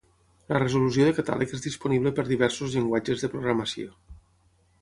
La resolució de catàleg és disponible per diversos llenguatges de programació.